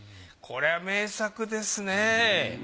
これは名作ですねぇ。